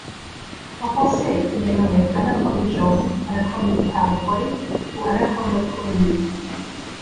En français il est nommé Anaconda jaune, Anaconda du Paraguay ou Anaconda curiyú.